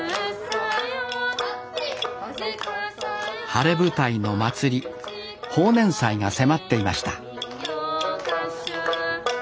晴れ舞台の祭り豊年祭が迫っていました